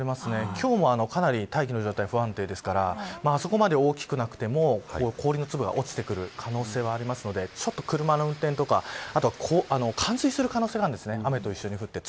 今日もかなり大気の状態が不安定ですからあそこまで大きくなくても氷の粒が落ちてくる可能性はあるので車の運転とか冠水する可能性があるんですね。